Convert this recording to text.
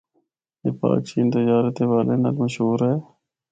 اے پاک چین تجارت دے حوالے نال مشہور ہے۔